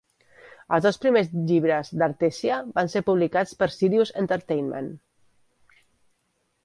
Els dos primers llibres d'"Artesia" van ser publicats per Sirius Entertainment.